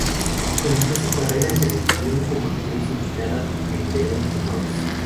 Comenzó su carrera en televisión como actriz invitada en "Veronica Mars".